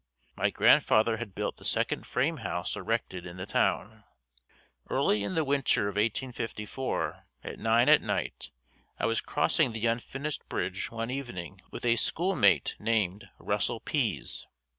My grandfather had built the second frame house erected in the town. Early in the winter of 1854 at nine at night I was crossing the unfinished bridge one evening with a schoolmate named Russell Pease.